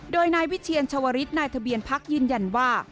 โดยนายวิเชียรชวริสนายทะเบียนพักยืนยันว่า